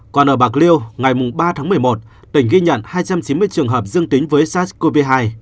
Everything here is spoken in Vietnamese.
còn ở bạc liêu ngày ba tháng một mươi một tỉnh ghi nhận hai trăm chín mươi trường hợp dương tính với sars cov hai